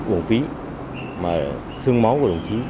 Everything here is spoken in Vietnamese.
cuồng phí mà sương máu của đồng chí